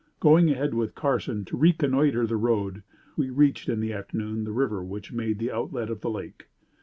Going ahead with Carson to reconnoitre the road, we reached in the afternoon the river which made the outlet of the lake.